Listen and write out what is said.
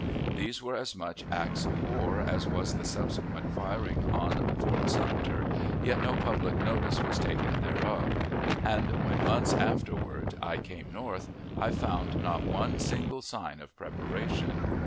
These were as much acts of war as was the subsequent firing on Fort Sumter, yet no public notice was taken thereof; and when, months afterward, I came North, I found not one single sign of preparation.